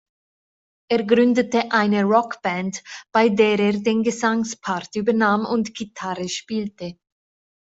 Er gründete eine Rockband, bei der er den Gesangspart übernahm und Gitarre spielte.